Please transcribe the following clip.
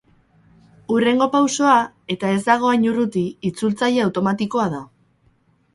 Hurrengo pausoa, eta ez dago hain urruti, itzultzaile automatikoa da.